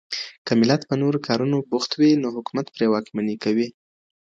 که ملت په نورو کارونو بوخت وي نو حکومت پرې واکمني کوي.